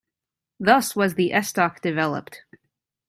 Thus was the estoc developed.